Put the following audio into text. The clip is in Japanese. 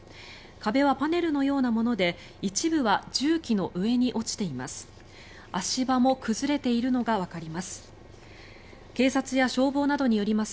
壁はパネルのようなもので一部は重機の上に落ちています。